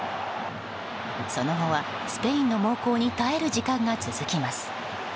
その後はスペインの猛攻に耐える時間が続きます。